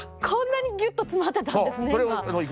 こんなにギュッと詰まってたんですね。